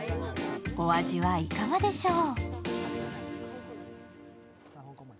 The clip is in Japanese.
お味はいかがでしょう？